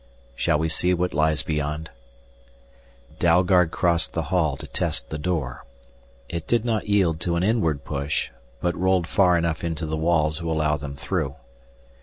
"Shall we see what lies beyond?" Dalgard crossed the hall to test the door. It did not yield to an inward push, but rolled far enough into the wall to allow them through.